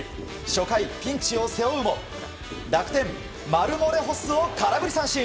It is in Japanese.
初回、ピンチを背負うも楽天、マルモレホスを空振り三振。